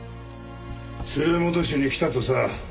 連れ戻しに来たとさ。